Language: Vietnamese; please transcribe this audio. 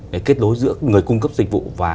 để kết nối giữa người cung cấp dịch vụ và